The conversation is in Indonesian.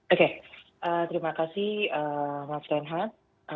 oke terima kasih mbak tenhat